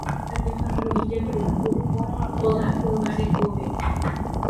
Ajépango ijetu'u hoga'ỹva rekove.